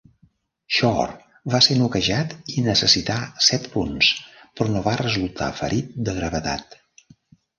Shore va ser noquejat i necessità set punts, però no va resultar ferit de gravetat.